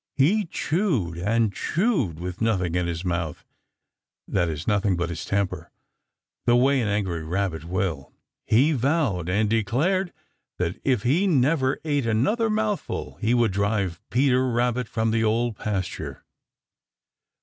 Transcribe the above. He chewed and chewed with nothing in his mouth, that is, nothing but his temper, the way an angry Rabbit will. He vowed and declared that if he never ate another mouthful he would drive Peter Rabbit from the Old Pasture.